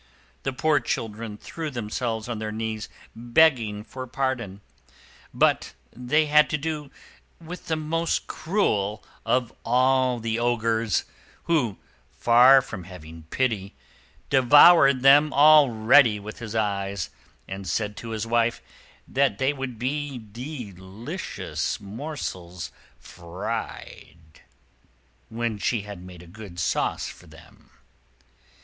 The poor children threw themselves on their knees begging for pardon. But they had to do with the most cruel of all the Ogres, who, far from having pity, devoured them already with his eyes, and said to his wife that they would be delicious morsels fried, when she had made a good sauce for them.